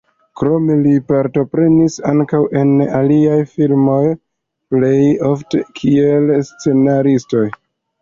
Krome li partoprenis ankaŭ en aliaj filmoj, plej ofte, kiel scenaristo.